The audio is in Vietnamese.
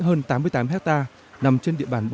hơn tám mươi tám hectare nằm trên địa bàn